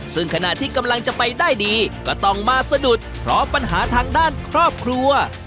ซึ่งขณะที่กำลังจะไปได้ดีก็ต้องมาสะดุดเพราะปัญหาทางด้านครอบครัว